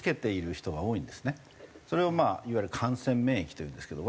それをいわゆる感染免疫というんですけど。